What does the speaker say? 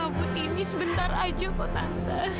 kamu sopu timi sebentar aja kok tante